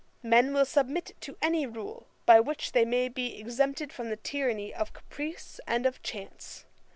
Men will submit to any rule, by which they may be exempted from the tyranny of caprice and of chance.